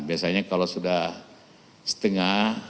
biasanya kalau sudah setengah